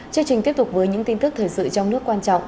chương trình tiếp tục với những tin tức thời sự trong nước quan trọng